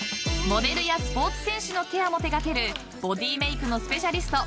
［モデルやスポーツ選手のケアも手掛けるボディーメークのスペシャリスト］